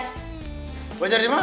mau belajar di mana